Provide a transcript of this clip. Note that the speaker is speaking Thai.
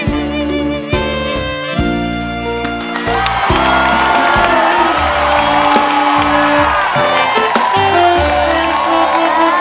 นี่สุดยาก